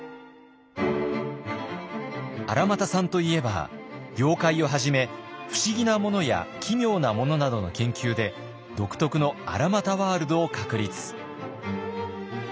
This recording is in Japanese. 荒俣さんといえば妖怪をはじめ不思議なものや奇妙なものなどの研究で独特の荒俣ワールドを確立。